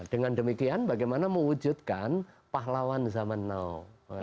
dengan demikian bagaimana mewujudkan pahlawan zaman now